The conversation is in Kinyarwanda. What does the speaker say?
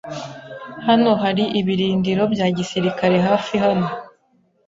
Hano hari ibirindiro bya gisirikare hafi hano.